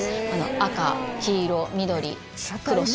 赤黄色緑黒白